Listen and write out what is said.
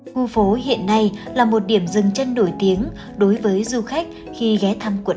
khu phố hiện nay là một điểm dừng chân nổi tiếng đối với du khách khi ghé thăm quận